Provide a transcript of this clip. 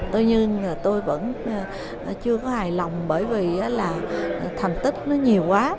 tuy nhiên tôi vẫn chưa có hài lòng bởi vì là thành tích nó nhiều quá